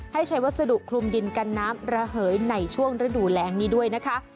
ให้ใช้วัสดุคลุมดินกันน้ำระเหยในช่วงฤดูแรงนี้ด้วยนะคะ